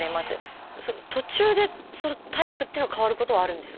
途中でタイプっていうのが変わることはあるんですか？